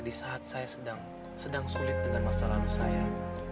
di saat saya sedang sulit dengan masalahmu sayang